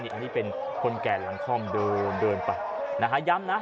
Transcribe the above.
อันนี้เป็นคนแก่หลังคล่อมเดินเดินไปนะฮะย้ำนะ